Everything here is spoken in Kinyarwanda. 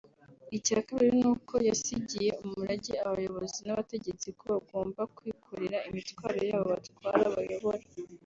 Icya kabiri ni uko yasigiye umurage abayobozi n’abategetsi ko bagomba kwikorera imitwaro y’abo batwara (bayobora)